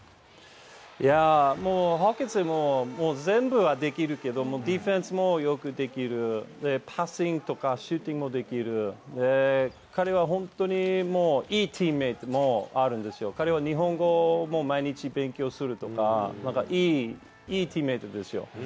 もうホーキンソンは全部はできるけども、ディフェンスもよくできる、パッシングとかシューティングもできる、彼は本当にもういいチームメートももうあるんですよ、彼は日本語も毎日勉強するとか、いいチームメートですよ。